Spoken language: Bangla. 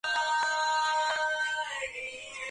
মানুষ সর্বপ্রকার জীবজন্তু হইতে, এমন কি দেবাদি হইতেও উচ্চতর।